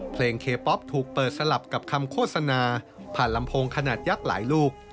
เพลงเคป๊อปถูกเปิดสลับกับคำโฆษณาผ่านลำโพงขนาดยักษ์หลายลูก